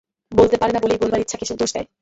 বলতে পারে না বলেই বলবার ইচ্ছাকে সে দোষ দেয়।